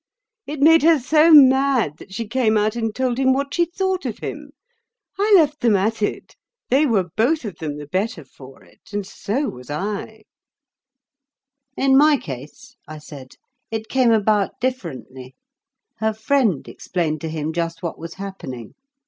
It made her so mad that she came out and told him what she thought of him. I left them at it. They were both of them the better for it; and so was I." [Picture: I left them at it] "In my case," I said, "it came about differently. Her friend explained to him just what was happening.